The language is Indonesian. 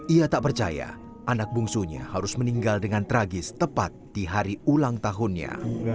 ia tak percaya anak bungsunya harus meninggal dengan tragis tepat di hari ulang tahunnya